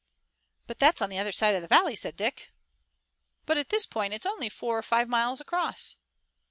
"And that's on the other side of the valley," said Dick. "But at this point it's only four or five miles across."